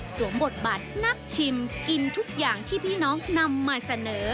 บทบาทนักชิมกินทุกอย่างที่พี่น้องนำมาเสนอ